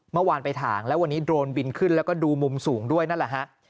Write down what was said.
เมื่อวานไปถ่างแล้ววันนี้โดรนบินขึ้นแล้วก็ดูมุมสูงด้วยนั่นแหละฮะ